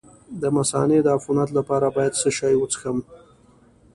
د مثانې د عفونت لپاره باید څه شی وڅښم؟